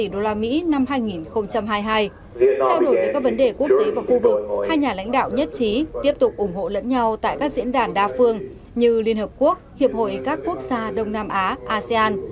trao đổi về các vấn đề quốc tế và khu vực hai nhà lãnh đạo nhất trí tiếp tục ủng hộ lẫn nhau tại các diễn đàn đa phương như liên hợp quốc hiệp hội các quốc gia đông nam á asean